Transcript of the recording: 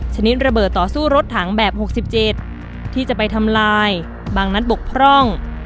ชนิดระเบิดต่อสู้รถถังแบบ๖๗ที่จะไปทำลายบางนัดบกพร่อง